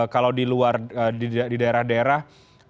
kalau di luar di daerah daerah